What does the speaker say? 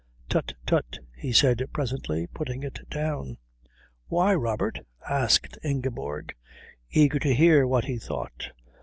"Tut, tut," he said presently, putting it down. "Why, Robert?" asked Ingeborg, eager to hear what he thought.